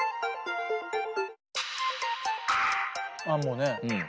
ああもうね。